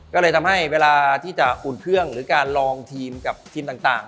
ก็เลยทำให้เวลาที่จะอุ่นเครื่องหรือการลองทีมกับทีมต่าง